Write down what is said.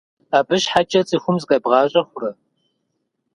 Абы щхьэкӏэ цӏыхум закъебгъащӏэ хъурэ?